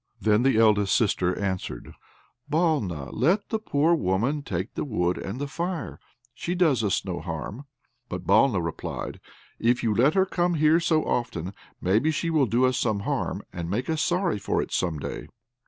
Then the eldest sister answered, "Balna, let the poor woman take the wood and the fire; she does us no harm." But Balna replied, "If you let her come here so often, maybe she will do us some harm, and make us sorry for it, some day."